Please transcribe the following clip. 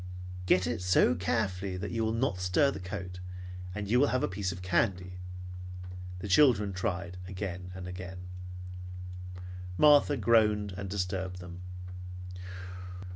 "Get it so carefully that you will not stir the coat, and you will have a piece of candy." The children tried again and again. Martha groaned and disturbed them.